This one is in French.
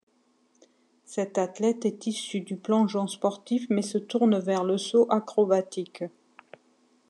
Cet athlète est issu du plongeon sportif mais se tourne vers le saut acrobatique.